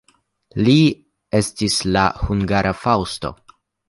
Li estis la hungara Faŭsto.